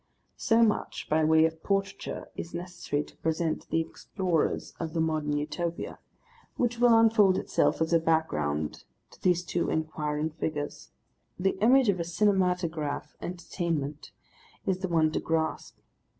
So much by way of portraiture is necessary to present the explorers of the Modern Utopia, which will unfold itself as a background to these two enquiring figures. The image of a cinematograph entertainment is the one to grasp.